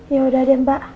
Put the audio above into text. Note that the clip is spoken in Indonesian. ya udah deh mbak